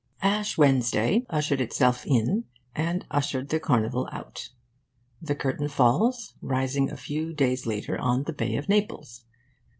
Ash Wednesday ushered itself in, and ushered the Carnival out. The curtain falls, rising a few days later on the Bay of Naples.